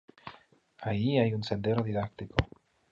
Allí hay un sendero didáctico.